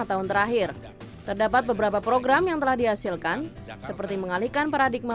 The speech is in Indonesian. tahun terakhir terdapat beberapa program yang telah dihasilkan seperti mengalihkan paradigma